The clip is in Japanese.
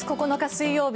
水曜日